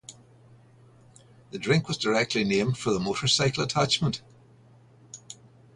The drink was directly named for the motorcycle attachment.